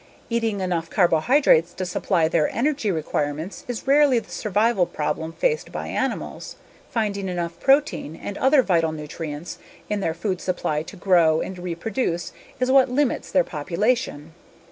Eating enough carbohydrates to supply their energy requirements is rarely the survival problem faced by animals; finding enough protein (and other vital nutrients) in their food supply to grow and reproduce is what limits their population.